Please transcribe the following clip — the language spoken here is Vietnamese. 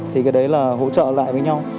thì cái đấy là hỗ trợ lại với nhau